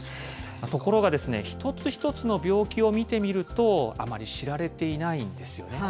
ところがですね、一つ一つの病気を見てみると、あまり知られていないんですよね。